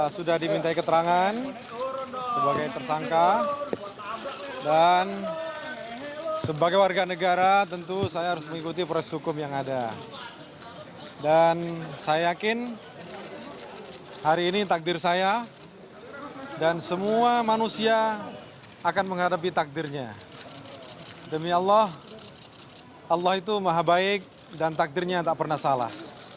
semua manusia akan menghadapi takdirnya demi allah allah itu maha baik dan takdirnya tak pernah salah